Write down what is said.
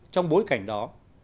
trong bối cảnh đó